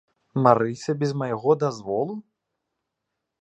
Марыся без майго дазволу?